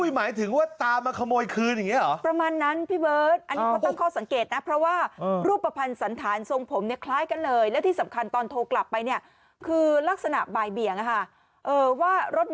หมายถึงว่าตามมาขโมยคืนอย่างนี้เหรอ